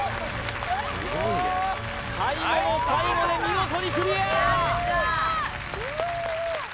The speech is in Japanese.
最後の最後で見事にクリア！